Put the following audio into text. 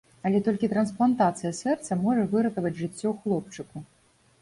Але толькі трансплантацыя сэрца зможа выратаваць жыццё хлопчыку.